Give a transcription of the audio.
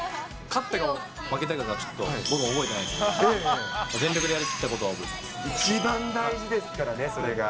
勝ったか負けたかが、ちょっと、僕は覚えてないんですけど、全力でやりきったことは覚えてま一番大事ですからね、それが。